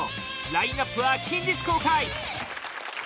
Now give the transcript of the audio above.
ラインアップは近日公開！